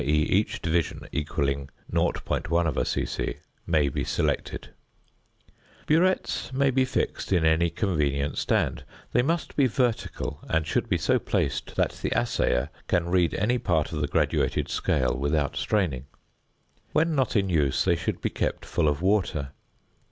e._, each division = 0.1 c.c.) may be selected. Burettes may be fixed in any convenient stand; they must be vertical and should be so placed that the assayer can read any part of the graduated scale without straining. When not in use, they should be kept full of water.